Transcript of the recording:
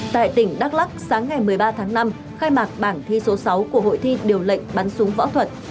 tại tỉnh đắk lắc sáng ngày một mươi ba tháng năm khai mạc bảng thi số sáu của hội thi điều lệnh bắn súng võ thuật